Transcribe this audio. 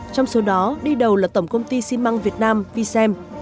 trong số đó đi đầu là tổng công ty xi măng việt nam v sem